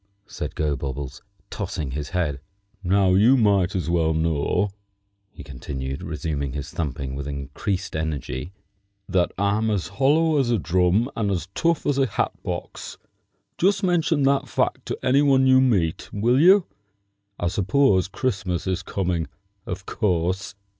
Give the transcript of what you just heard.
said Gobobbles, tossing his head. "Now you might as well know," he continued, resuming his thumping with increased energy, "that I'm as hollow as a drum and as tough as a hat box. Just mention that fact to any one you meet, will you? I suppose Christmas is coming, of course."